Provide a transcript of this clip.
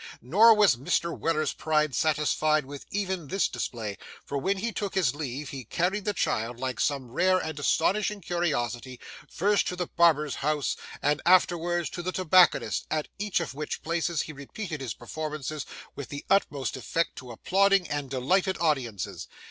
Nor was Mr. Weller's pride satisfied with even this display, for when he took his leave he carried the child, like some rare and astonishing curiosity, first to the barber's house and afterwards to the tobacconist's, at each of which places he repeated his performances with the utmost effect to applauding and delighted audiences.